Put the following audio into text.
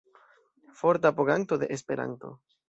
Forta apoganto de Esperanto.